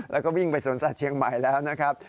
แล้วก็วิ่งไปสวนสัตว์เชียงใหม่แล้วนะครับ